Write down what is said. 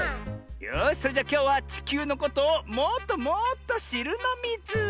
よしそれじゃきょうはちきゅうのことをもっともっとしるのミズ！